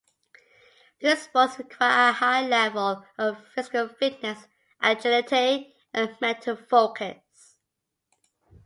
These sports require a high level of physical fitness, agility, and mental focus.